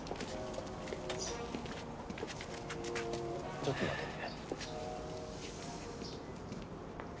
ちょっと待っててね。